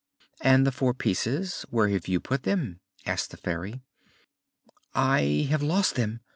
"And the four pieces where have you put them?" asked the Fairy. "I have lost them!"